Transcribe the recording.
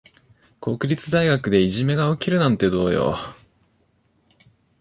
国立大学でいじめが起きるなんてどうよ。